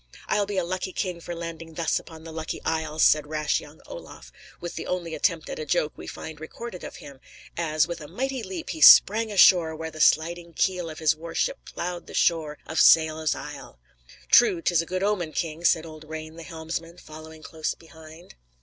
"I'll be a lucky king for landing thus upon the Lucky Isle," said rash young Olaf, with the only attempt at a joke we find recorded of him, as, with a mighty leap, he sprang ashore where the sliding keel of his war ship ploughed the shore of Saelo's Isle. "True, 'tis a good omen, king," said old Rane the helmsman, following close behind.